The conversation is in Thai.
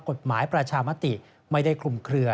กฎหมายประชามาติไม่ได้คลุมเครือ